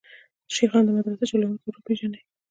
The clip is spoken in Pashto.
شیخان د مدرسو چلوونکي وروپېژني.